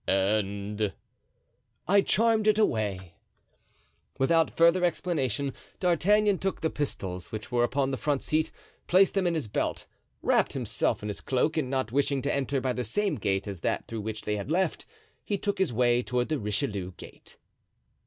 "And——" "I charmed it away." Without further explanation D'Artagnan took the pistols which were upon the front seat, placed them in his belt, wrapped himself in his cloak, and not wishing to enter by the same gate as that through which they had left, he took his way toward the Richelieu gate.